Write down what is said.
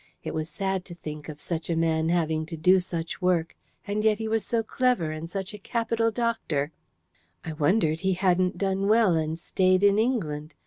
It was sad to think of such a man having to do such work. And yet he was so clever, and such a capital doctor. I wondered he hadn't done well and stayed in England.